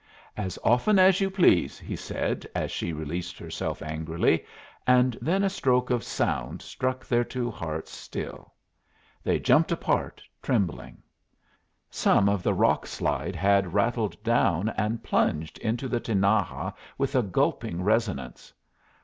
"As often as you please," he said, as she released herself angrily, and then a stroke of sound struck their two hearts still. They jumped apart, trembling. Some of the rock slide had rattled down and plunged into the Tinaja with a gulping resonance.